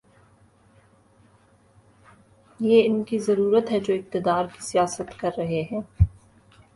یہ ان کی ضرورت ہے جو اقتدار کی سیاست کر رہے ہیں۔